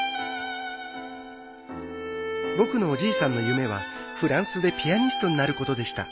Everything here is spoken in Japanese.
僕のおじいさんの夢はフランスでピアニストになることでした。